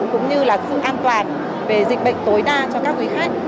cũng như là sự an toàn về dịch bệnh tối đa cho các quý khách